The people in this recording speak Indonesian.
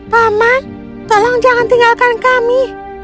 paman tolong jangan tinggalkan kami